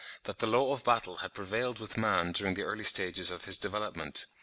that the law of battle had prevailed with man during the early stages of his development.